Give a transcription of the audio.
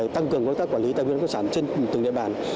tăng cường công tác quản lý tài nguyên khoáng sản trên từng địa bàn